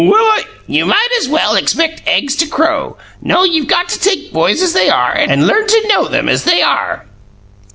"Well, I " "You might as well expect eggs to crow. No; you've got to take boys as they are, and learn to know them as they are."